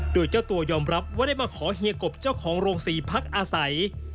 โดยเจ้าตัวยอมรับว่าได้มาขอเฮียกบเจ้าของโรงศรีพักอาศัย